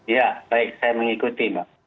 ya baik saya mengikuti mbak